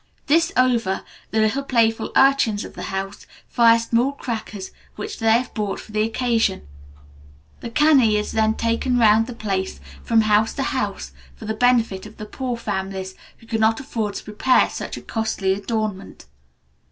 This over, the little playful urchins of the house fire small crackers which they have bought for the occasion. The kani is then taken round the place from house to house, for the benefit of the poor families, which cannot afford to prepare such a costly adornment."